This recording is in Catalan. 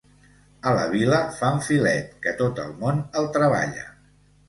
A la Vila fan filet, que tot el món el treballa.